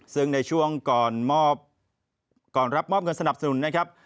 ซึ่งในช่วงก่อนมอบก่อนรับมอบเงินสนับสนุนนะครับ